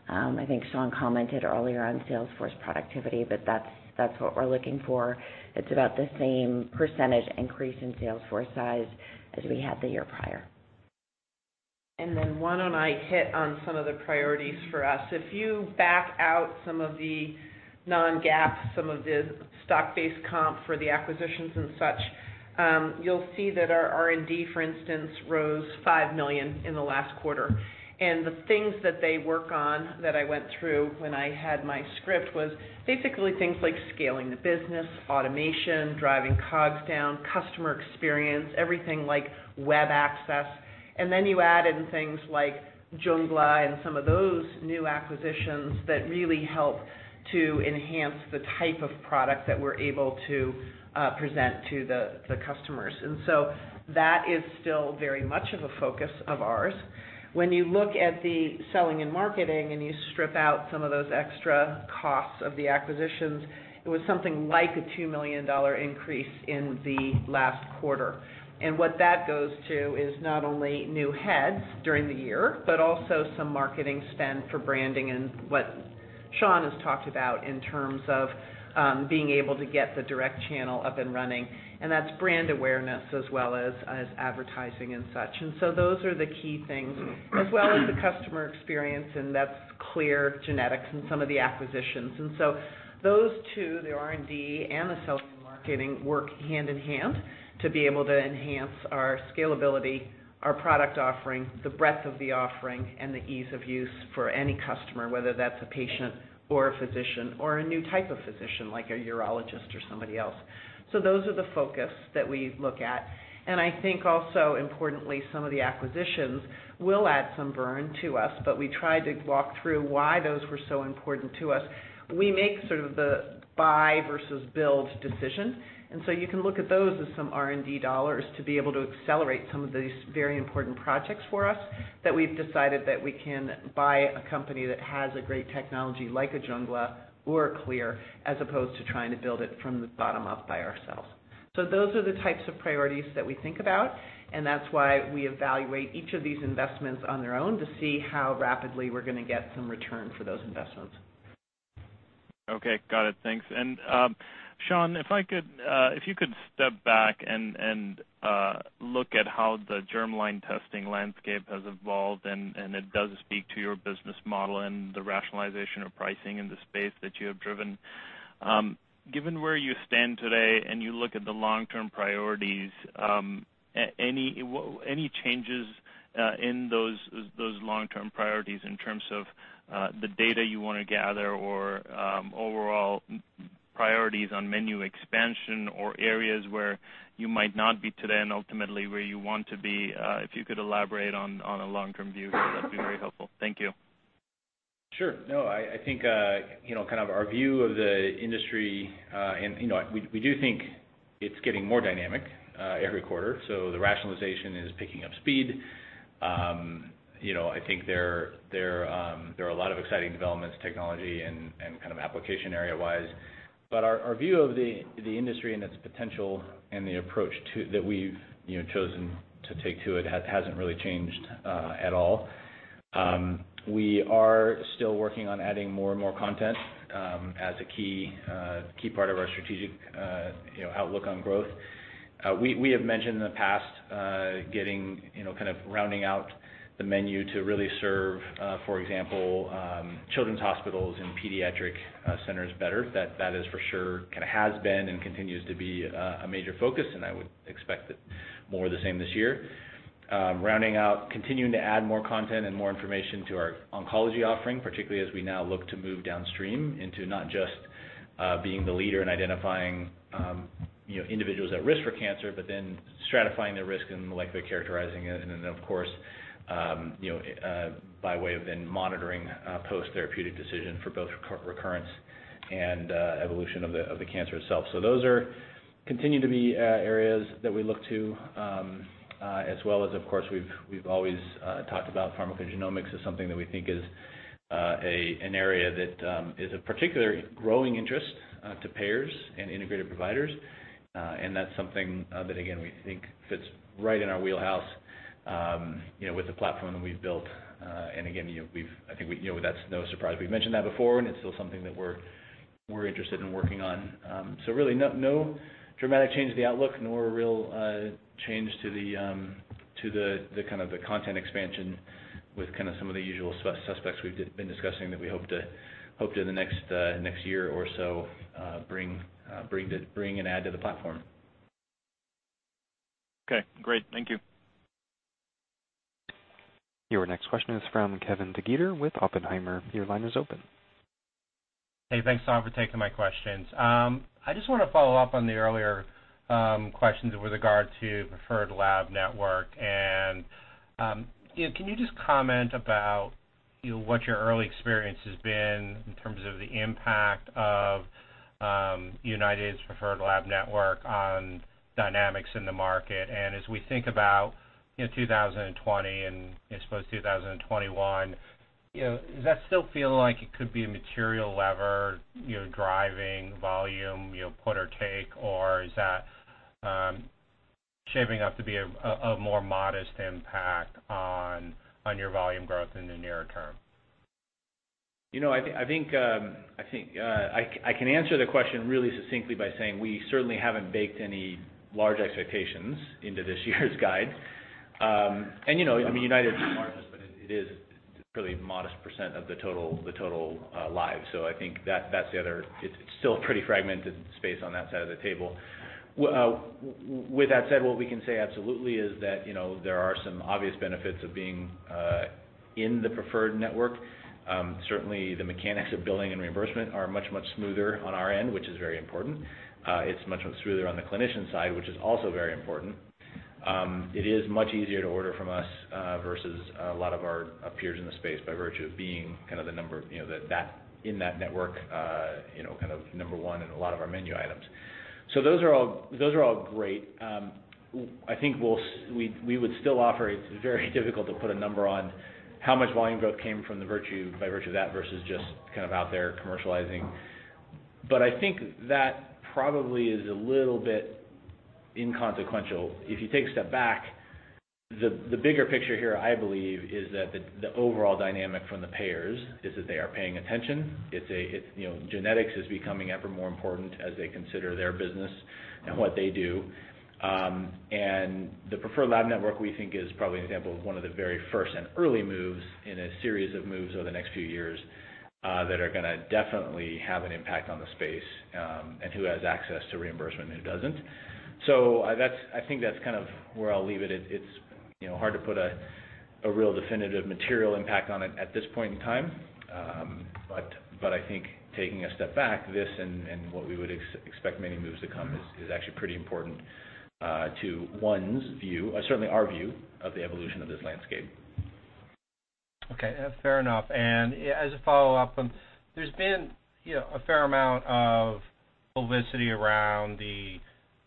I think Sean commented earlier on sales force productivity, but that's what we're looking for. It's about the same percentage increase in sales force size as we had the year prior. Why don't I hit on some of the priorities for us? If you back out some of the non-GAAP, some of the stock-based comp for the acquisitions and such, you'll see that our R&D, for instance, rose $5 million in the last quarter. The things that they work on that I went through when I had my script was basically things like scaling the business, automation, driving COGS down, customer experience, everything like web access. You add in things like Jungla and some of those new acquisitions that really help to enhance the type of product that we're able to present to the customers. That is still very much of a focus of ours. When you look at the selling and marketing and you strip out some of those extra costs of the acquisitions, it was something like a $2 million increase in the last quarter. What that goes to is not only new heads during the year, but also some marketing spend for branding and what Sean has talked about in terms of being able to get the direct channel up and running, and that's brand awareness as well as advertising and such. Those are the key things, as well as the customer experience, and that's Clear Genetics and some of the acquisitions. Those two, the R&D and the sales and marketing, work hand in hand to be able to enhance our scalability, our product offering, the breadth of the offering, and the ease of use for any customer, whether that's a patient or a physician or a new type of physician, like a urologist or somebody else. Those are the focus that we look at. I think also importantly, some of the acquisitions will add some burn to us, but we tried to walk through why those were so important to us. We make sort of the buy versus build decision. You can look at those as some R&D dollars to be able to accelerate some of these very important projects for us that we've decided that we can buy a company that has a great technology like a Jungla or a Clear, as opposed to trying to build it from the bottom up by ourselves. Those are the types of priorities that we think about. That's why we evaluate each of these investments on their own to see how rapidly we're going to get some return for those investments. Okay. Got it. Thanks. Sean, if you could step back and look at how the germline testing landscape has evolved, it does speak to your business model and the rationalization of pricing in the space that you have driven. Given where you stand today and you look at the long-term priorities, any changes in those long-term priorities in terms of the data you want to gather or overall priorities on menu expansion or areas where you might not be today and ultimately where you want to be? If you could elaborate on a long-term view, that'd be very helpful. Thank you. Sure, I think our view of the industry, and we do think it's getting more dynamic every quarter. The rationalization is picking up speed. I think there are a lot of exciting developments, technology and kind of application area-wise. Our view of the industry and its potential and the approach that we've chosen to take too, it hasn't really changed at all. We are still working on adding more and more content as a key part of our strategic outlook on growth. We have mentioned in the past getting kind of rounding out the menu to really serve, for example, children's hospitals and pediatric centers better. That is for sure, kind of has been and continues to be a major focus, and I would expect more of the same this year. Rounding out, continuing to add more content and more information to our oncology offering, particularly as we now look to move downstream into not just being the leader in identifying individuals at risk for cancer, but then stratifying their risk and molecular characterizing it. Of course, by way of then monitoring post-therapeutic decision for both recurrence and evolution of the cancer itself. Those continue to be areas that we look to, as well as, of course, we've always talked about pharmacogenomics as something that we think is an area that is of particular growing interest to payers and integrated providers. That's something that, again, we think fits right in our wheelhouse with the platform that we've built. Again, that's no surprise. We've mentioned that before, and it's still something that we're interested in working on. Really, no dramatic change to the outlook, nor a real change to the kind of the content expansion with some of the usual suspects we've been discussing that we hope to in the next year or so bring and add to the platform. Okay. Great. Thank you. Your next question is from Kevin DeGeeter with Oppenheimer. Your line is open. Hey, thanks Sean for taking my questions. I just want to follow up on the earlier questions with regard to preferred lab network. Can you just comment about what your early experience has been in terms of the impact of United's preferred lab network on dynamics in the market? As we think about 2020 and I suppose 2021, does that still feel like it could be a material lever driving volume, put or take, or is that shaping up to be a more modest impact on your volume growth in the nearer term? I think I can answer the question really succinctly by saying we certainly haven't baked any large expectations into this year's guide. United is large, but it is really a modest percentage of the total lives. I think it's still pretty fragmented space on that side of the table. With that said, what we can say absolutely is that, there are some obvious benefits of being in the preferred network. Certainly, the mechanics of billing and reimbursement are much smoother on our end, which is very important. It's much smoother on the clinician side, which is also very important. It is much easier to order from us versus a lot of our peers in the space by virtue of being kind of number 1 in that network, kind of number 1 in a lot of our menu items. Those are all great. I think we would still offer. It's very difficult to put a number on how much volume growth came from by virtue of that versus just kind of out there commercializing. I think that probably is a little bit inconsequential. If you take a step back, the bigger picture here, I believe, is that the overall dynamic from the payers is that they are paying attention. Genetics is becoming ever more important as they consider their business and what they do. The preferred lab network, we think is probably an example of one of the very first and early moves in a series of moves over the next few years that are going to definitely have an impact on the space and who has access to reimbursement and who doesn't. I think that's kind of where I'll leave it. It's hard to put a real definitive material impact on it at this point in time. I think taking a step back, this and what we would expect many moves to come is actually pretty important to one's view, certainly our view of the evolution of this landscape. Okay. Fair enough. As a follow-up, there's been a fair amount of publicity around the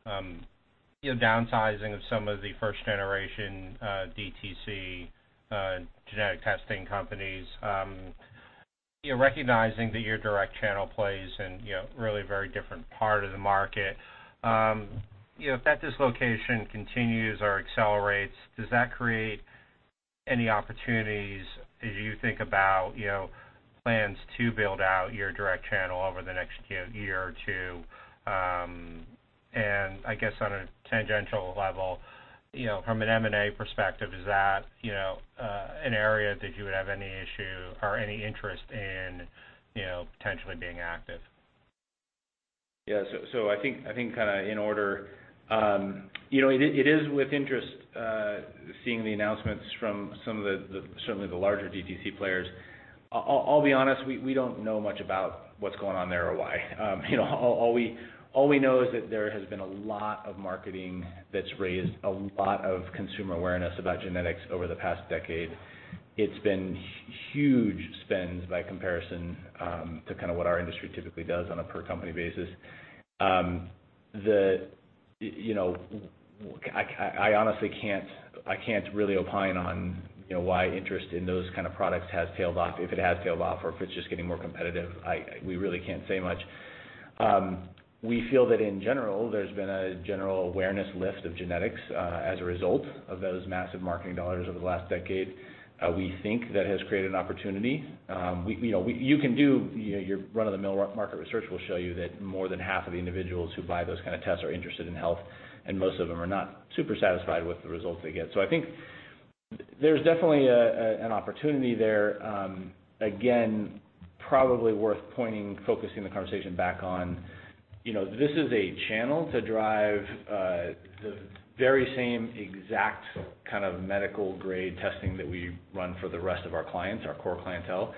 downsizing of some of the first-generation DTC genetic testing companies. Recognizing that your direct channel plays in really a very different part of the market. If that dislocation continues or accelerates, does that create any opportunities as you think about plans to build out your direct channel over the next year or two? I guess on a tangential level, from an M&A perspective, is that an area that you would have any issue or any interest in potentially being active? Yeah. I think in order, it is with interest, seeing the announcements from some of the, certainly the larger DTC players. I'll be honest, we don't know much about what's going on there or why. All we know is that there has been a lot of marketing that's raised a lot of consumer awareness about genetics over the past decade. It's been huge spends by comparison, to what our industry typically does on a per company basis. I honestly can't really opine on why interest in those kind of products has tailed off, if it has tailed off, or if it's just getting more competitive. We really can't say much. We feel that in general, there's been a general awareness lift of genetics, as a result of those massive marketing dollars over the last decade. We think that has created an opportunity. Your run-of-the-mill market research will show you that more than half of the individuals who buy those kind of tests are interested in health, and most of them are not super satisfied with the results they get. I think there's definitely an opportunity there. Again, probably worth focusing the conversation back on, this is a channel to drive the very same exact kind of medical grade testing that we run for the rest of our clients, our core clientele.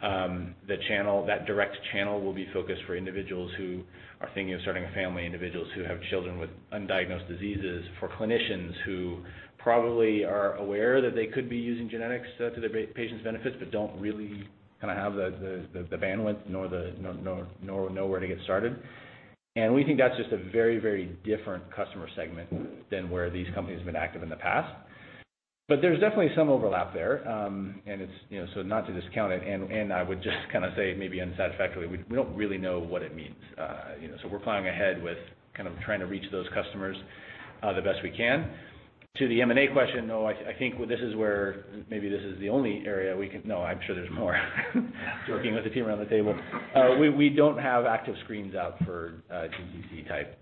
That direct channel will be focused for individuals who are thinking of starting a family, individuals who have children with undiagnosed diseases, for clinicians who probably are aware that they could be using genetics to their patients' benefits, but don't really have the bandwidth nor know where to get started. We think that's just a very, very different customer segment than where these companies have been active in the past. There's definitely some overlap there, so not to discount it, and I would just say maybe unsatisfactorily, we don't really know what it means. We're plowing ahead with trying to reach those customers, the best we can. To the M&A question, though, I think maybe this is the only area we can. No, I'm sure there's more working with the team around the table. We don't have active screens out for DTC-type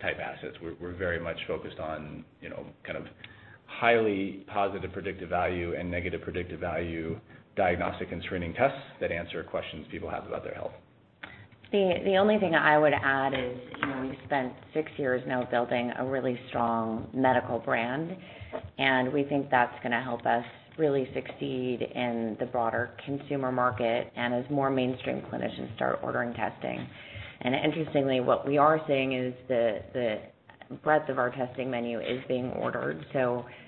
assets. We're very much focused on highly positive predictive value and negative predictive value diagnostic and screening tests that answer questions people have about their health. The only thing I would add is, we've spent six years now building a really strong medical brand. We think that's going to help us really succeed in the broader consumer market and as more mainstream clinicians start ordering testing. Interestingly, what we are seeing is the breadth of our testing menu is being ordered.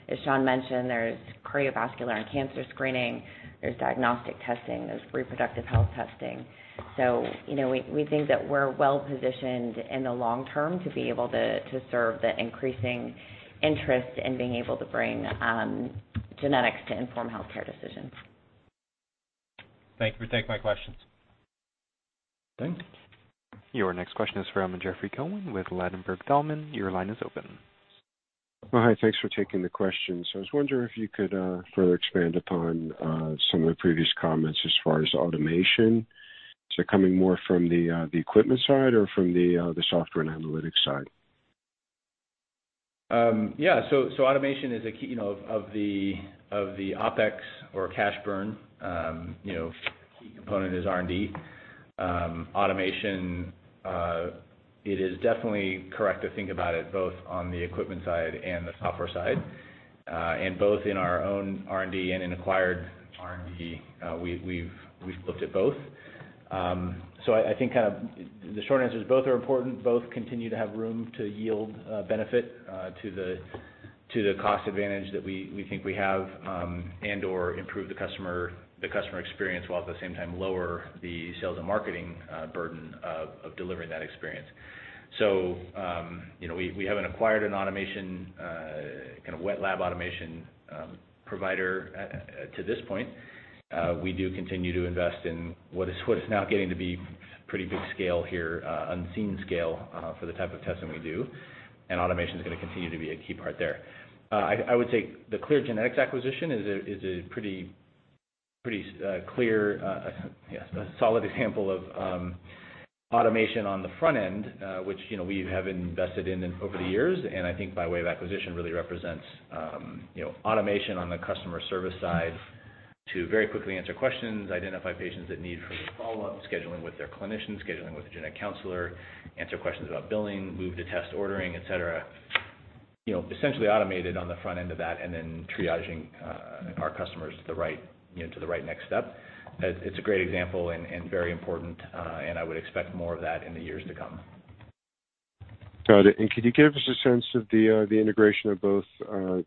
As Sean mentioned, there's cardiovascular and cancer screening, there's diagnostic testing, there's reproductive health testing. We think that we're well positioned in the long term to be able to serve the increasing interest in being able to bring genetics to inform healthcare decisions. Thank you. Thanks for taking my questions. Thanks. Your next question is from Jeffrey Cohen with Ladenburg Thalmann. Your line is open. Hi, thanks for taking the questions. I was wondering if you could further expand upon some of the previous comments as far as automation. Is it coming more from the equipment side or from the software and analytics side? Yeah. Automation is a key of the OpEx or cash burn. A key component is R&D. Automation, it is definitely correct to think about it both on the equipment side and the software side. Both in our own R&D and in acquired R&D, we've looked at both. I think the short answer is both are important. Both continue to have room to yield benefit, to the cost advantage that we think we have, and/or improve the customer experience, while at the same time lower the sales and marketing burden of delivering that experience. We haven't acquired an automation, kind of wet lab automation provider to this point. We do continue to invest in what is now getting to be pretty big scale here, unseen scale for the type of testing we do, and automation is going to continue to be a key part there. I would say the Clear Genetics acquisition is a pretty clear, solid example of automation on the front end, which we have invested in over the years. I think by way of acquisition really represents automation on the customer service side to very quickly answer questions, identify patients that need further follow-up, scheduling with their clinicians, scheduling with the genetic counselor, answer questions about billing, move to test ordering, et cetera. Essentially automated on the front end of that, and then triaging our customers to the right next step. It's a great example and very important, and I would expect more of that in the years to come. Got it. Could you give us a sense of the integration of both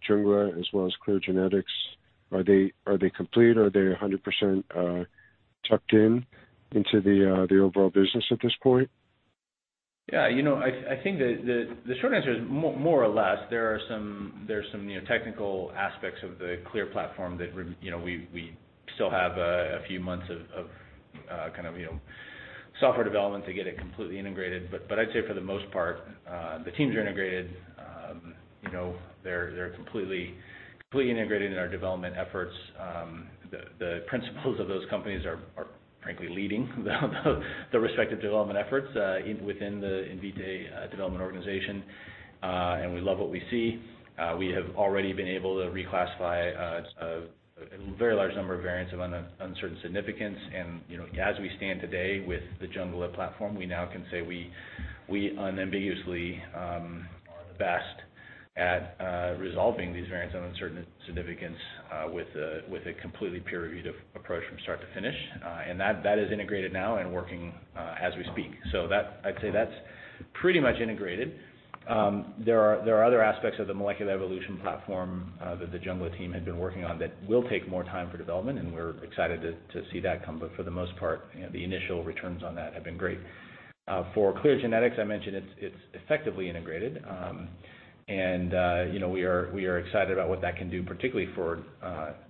Jungla as well as Clear Genetics? Are they complete? Are they 100% tucked in into the overall business at this point? Yeah, I think the short answer is more or less. There are some technical aspects of the CLIA platform that we still have a few months of software development to get it completely integrated. I'd say for the most part, the teams are integrated. They're completely integrated in our development efforts. The principals of those companies are, frankly, leading the respective development efforts within the Invitae development organization. We love what we see. We have already been able to reclassify a very large number of variants of uncertain significance. As we stand today with the Jungla platform, we now can say we unambiguously are the best at resolving these variants of uncertain significance, with a completely peer-reviewed approach from start to finish. That is integrated now and working as we speak. That I'd say that's pretty much integrated. There are other aspects of the molecular evolution platform that the Jungla team had been working on that will take more time for development. We're excited to see that come. For the most part, the initial returns on that have been great. For Clear Genetics, I mentioned it's effectively integrated. We are excited about what that can do, particularly for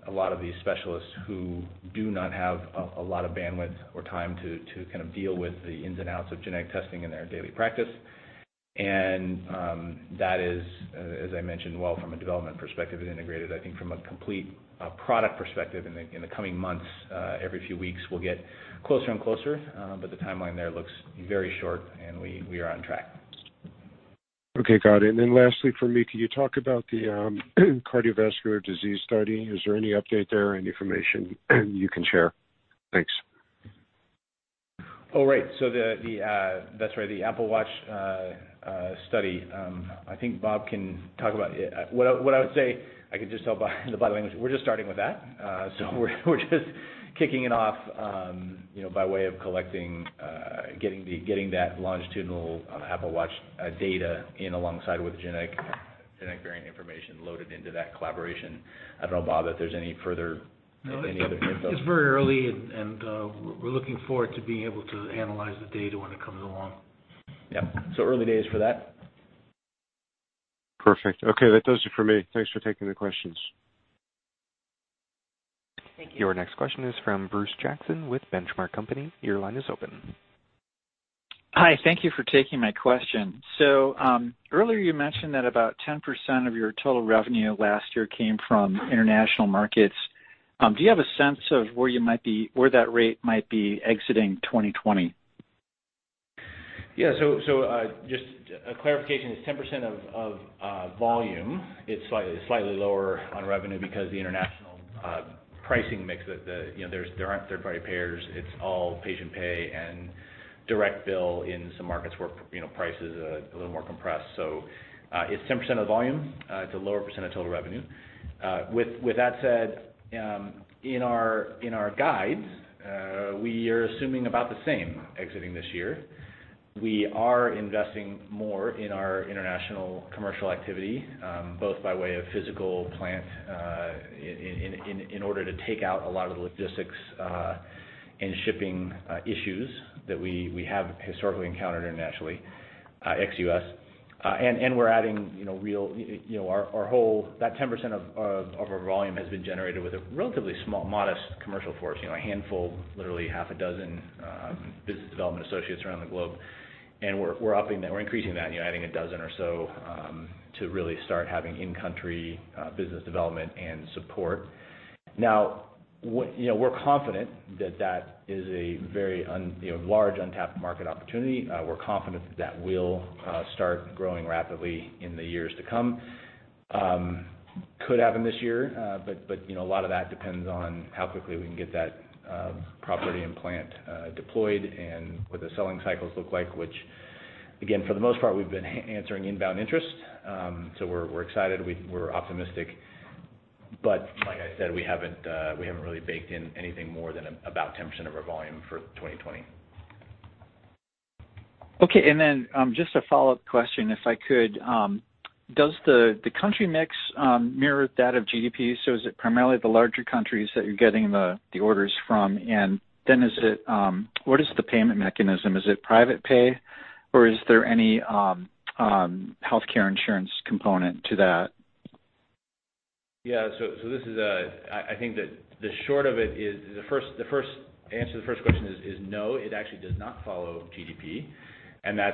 a lot of these specialists who do not have a lot of bandwidth or time to deal with the ins and outs of genetic testing in their daily practice. That is, as I mentioned, well, from a development perspective, it integrated, I think, from a complete product perspective in the coming months. Every few weeks we'll get closer and closer. The timeline there looks very short. We are on track. Okay, got it. Lastly from me, can you talk about the cardiovascular disease study? Is there any update there or any information you can share? Thanks. Right. That's right, the Apple Watch study. I think Bob can talk about it. What I would say, I could just tell by the body language, we're just starting with that. We're just kicking it off by way of collecting, getting that longitudinal Apple Watch data in alongside with genetic variant information loaded into that collaboration. I don't know, Bob, if there's any further information. It's very early, and we're looking forward to being able to analyze the data when it comes along. Yep. Early days for that. Perfect. Okay. That does it for me. Thanks for taking the questions. Thank you. Your next question is from Bruce Jackson with Benchmark Co. Your line is open. Hi. Thank you for taking my question. Earlier you mentioned that about 10% of your total revenue last year came from international markets. Do you have a sense of where that rate might be exiting 2020? Just a clarification, it's 10% of volume. It's slightly lower on revenue because the international pricing mix, there aren't third-party payers. It's all patient pay and direct bill in some markets where price is a little more compressed. It's 10% of the volume. It's a lower % of total revenue. With that said, in our guides, we are assuming about the same exiting this year. We are investing more in our international commercial activity, both by way of physical plant in order to take out a lot of the logistics and shipping issues that we have historically encountered internationally, ex-U.S. That 10% of our volume has been generated with a relatively small, modest commercial force, a handful, literally half a dozen business development associates around the globe. We're upping that. We're increasing that, adding a dozen or so to really start having in-country business development and support. We're confident that that is a very large untapped market opportunity. We're confident that that will start growing rapidly in the years to come. Could happen this year, but a lot of that depends on how quickly we can get that property and plant deployed and what the selling cycles look like, which, again, for the most part, we've been answering inbound interest. We're excited. We're optimistic. Like I said, we haven't really baked in anything more than about 10% of our volume for 2020. Okay. Just a follow-up question if I could. Does the country mix mirror that of GDP? Is it primarily the larger countries that you're getting the orders from? What is the payment mechanism? Is it private pay, or is there any healthcare insurance component to that? Yeah. I think that the short of it is, the first answer to the first question is no, it actually does not follow GDP. That's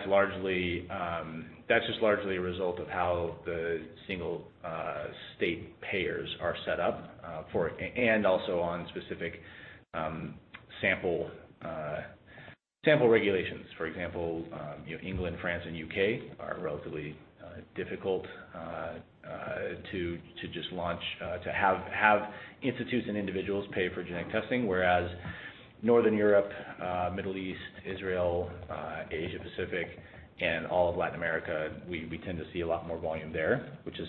just largely a result of how the single state payers are set up, and also on specific sample regulations. For example, England, France, and U.K. are relatively difficult to have institutes and individuals pay for genetic testing, whereas Northern Europe, Middle East, Israel, Asia Pacific, and all of Latin America, we tend to see a lot more volume there,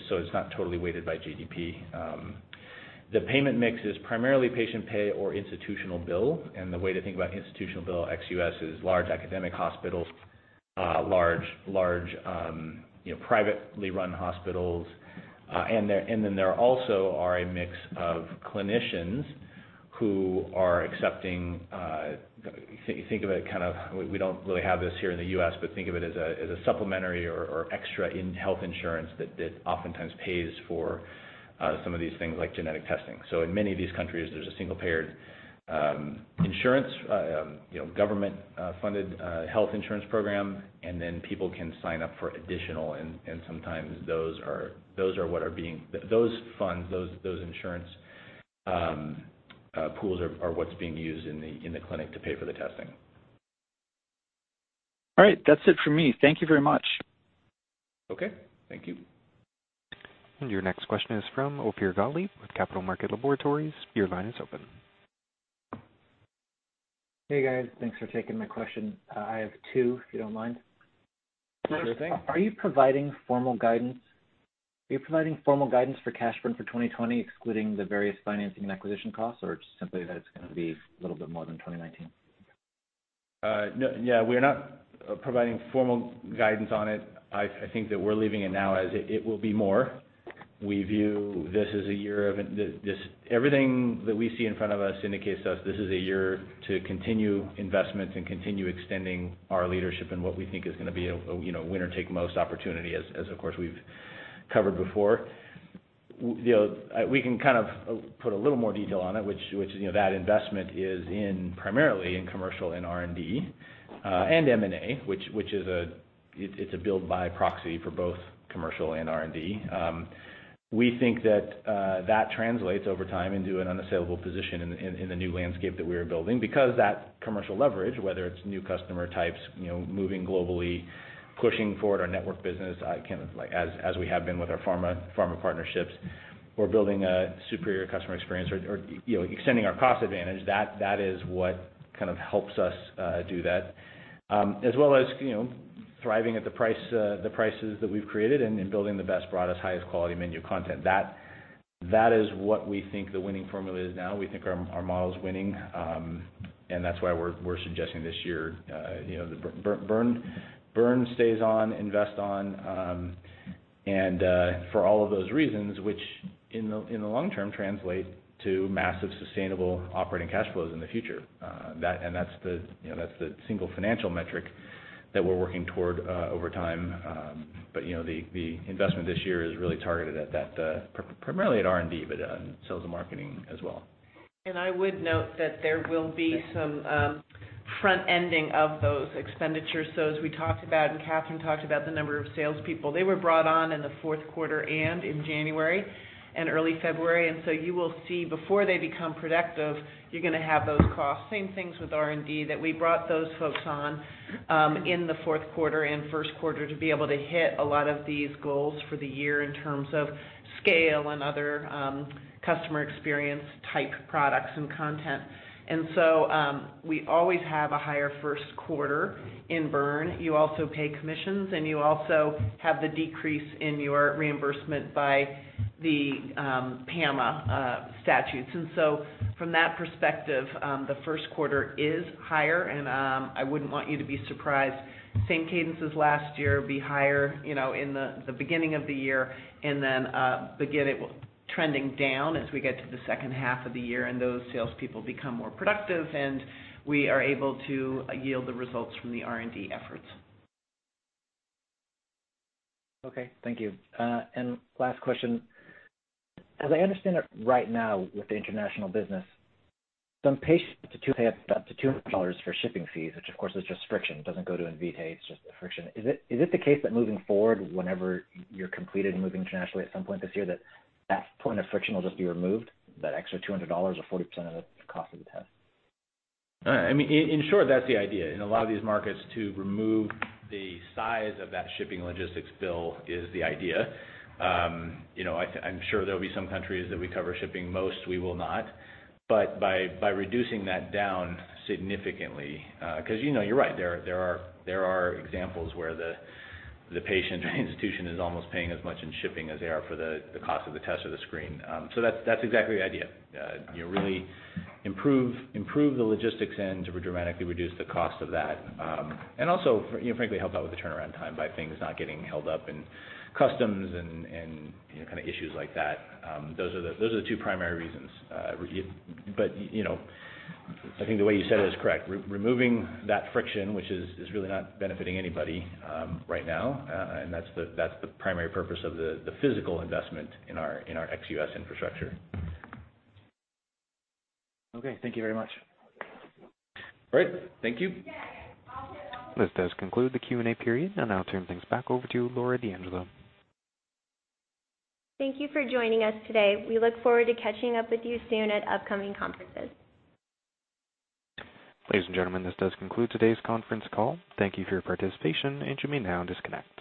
so it's not totally weighted by GDP. The payment mix is primarily patient pay or institutional bill, and the way to think about institutional bill, ex-U.S., is large academic hospitals, large privately run hospitals. There also are a mix of clinicians who are accepting, think of it, we don't really have this here in the U.S., but think of it as a supplementary or extra in health insurance that oftentimes pays for some of these things like genetic testing. In many of these countries, there's a single-payer insurance, government-funded health insurance program, and then people can sign up for additional, and sometimes those funds, those insurance pools are what's being used in the clinic to pay for the testing. All right. That's it for me. Thank you very much. Okay. Thank you. Your next question is from Ophir Gottlieb with Capital Market Laboratories. Your line is open. Hey, guys. Thanks for taking my question. I have two, if you don't mind. Sure thing. Are you providing formal guidance for cash burn for 2020, excluding the various financing and acquisition costs, or it's just simply that it's going to be a little bit more than 2019? Yeah, we're not providing formal guidance on it. I think that we're leaving it now as it will be more. Everything that we see in front of us indicates to us this is a year to continue investments and continue extending our leadership in what we think is going to be a winner-take-most opportunity, as of course we've covered before. We can put a little more detail on it, which is that investment is primarily in commercial and R&D, and M&A, which it's a build by proxy for both commercial and R&D. We think that translates over time into an unassailable position in the new landscape that we are building because that commercial leverage, whether it's new customer types, moving globally, pushing forward our network business, as we have been with our pharma partnerships. We're building a superior customer experience or extending our cost advantage. That is what kind of helps us do that. As well as thriving at the prices that we've created and building the best, broadest, highest quality menu content. That is what we think the winning formula is now. We think our model is winning, and that's why we're suggesting this year, the burn stays on, invest on, and for all of those reasons, which in the long term translate to massive, sustainable operating cash flows in the future. That's the single financial metric that we're working toward over time. The investment this year is really targeted primarily at R&D, but sales and marketing as well. I would note that there will be some front-ending of those expenditures. As we talked about, Katherine talked about the number of salespeople, they were brought on in the fourth quarter and in January and early February. You will see before they become productive, you're going to have those costs. Same things with R&D, that we brought those folks on in the fourth quarter and first quarter to be able to hit a lot of these goals for the year in terms of scale and other customer experience type products and content. We always have a higher first quarter in burn. You also pay commissions, and you also have the decrease in your reimbursement by the PAMA statutes. From that perspective, the first quarter is higher, I wouldn't want you to be surprised. Same cadence as last year, be higher in the beginning of the year, then begin trending down as we get to the second half of the year, and those salespeople become more productive, and we are able to yield the results from the R&D efforts. Okay. Thank you. Last question. As I understand it right now with the international business, some patients pay up to $200 for shipping fees, which of course is just friction. It doesn't go to Invitae, it's just a friction. Is it the case that moving forward, whenever you're completed and moving internationally at some point this year, that that point of friction will just be removed, that extra $200 or 40% of the cost of the test? In short, that's the idea. In a lot of these markets, to remove the size of that shipping logistics bill is the idea. I'm sure there'll be some countries that we cover shipping, most we will not. By reducing that down significantly, because you're right, there are examples where the patient or institution is almost paying as much in shipping as they are for the cost of the test or the screen. That's exactly the idea. Really improve the logistics end, dramatically reduce the cost of that. Also, frankly, help out with the turnaround time by things not getting held up in customs and issues like that. Those are the two primary reasons. I think the way you said it is correct. Removing that friction, which is really not benefiting anybody right now, and that's the primary purpose of the physical investment in our ex-U.S. infrastructure. Okay. Thank you very much. All right. Thank you. This does conclude the Q&A period. I'll now turn things back over to Laura D'Angelo. Thank you for joining us today. We look forward to catching up with you soon at upcoming conferences. Ladies and gentlemen, this does conclude today's conference call. Thank you for your participation, and you may now disconnect.